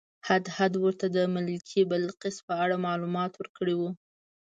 هدهد ورته د ملکې بلقیس په اړه معلومات ورکړي وو.